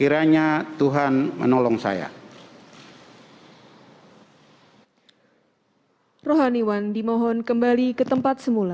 rohaniwan dimohon kembali ke tempat semula